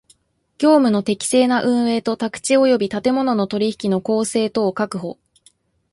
業務の適正な運営と宅地及び建物の取引の公正とを確保